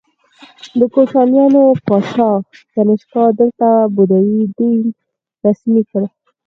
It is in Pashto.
د کوشانیانو پاچا کنیشکا دلته بودايي دین رسمي کړ